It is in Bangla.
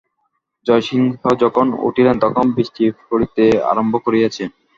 জয়সিংহ যখন উঠিলেন তখন বৃষ্টি পড়িতে আরম্ভ করিয়াছে।